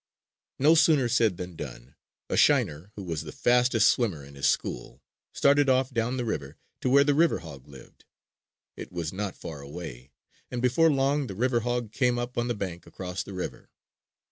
No sooner said than done! A shiner, who was the fastest swimmer in his school, started off down the river to where the river hog lived. It was not far away; and before long the river hog came up on the bank across the river.